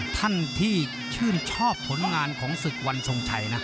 ท่านที่ชื่นชอบผลงานของศึกวันทรงชัยนะ